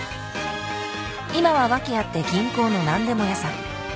今は訳あって銀行のなんでも屋さん